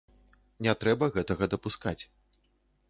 Не трэба гэтага дапускаць.